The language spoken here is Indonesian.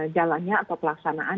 jalannya atau pelaksanaan